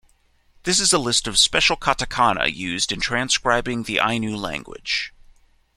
This is a list of special katakana used in transcribing the Ainu language.